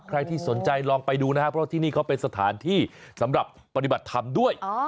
ใครที่สนใจลองไปดูนะครับเพราะว่าที่นี่เขาเป็นสถานที่สำหรับปฏิบัติธรรมด้วย